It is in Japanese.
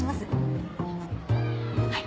はい。